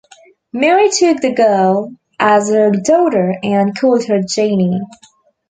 Mary took the girl as her daughter and called her Janie.